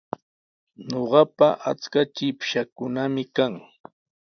Ñuqapa achka chikpashaakunami kan.